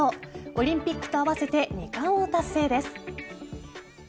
オリンピックと合わせて２冠を達成です。